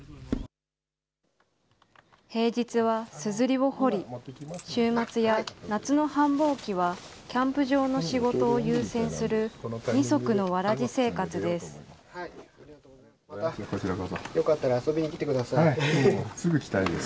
平日はすずりを彫り、週末や夏の繁忙期はキャンプ場の仕事を優先する二足のわらじ生活よかったら遊びに来てくださすぐ来たいです。